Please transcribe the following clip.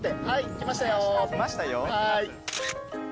来ましたよ。